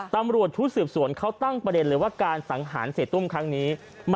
ตำรวจชุดสืบสวนเขาตั้งประเด็นเลยว่าการสังหารเสียตุ้มครั้งนี้